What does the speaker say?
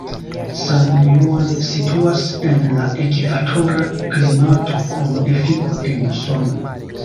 San Juan situas en la ekvatora klimato kun efiko de musono.